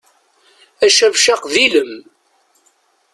Acabcaq d ilem.